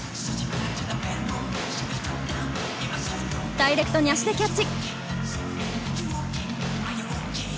ダイレクトに足でキャッチ。